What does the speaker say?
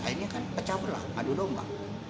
akhirnya kan pecah belah aduh domba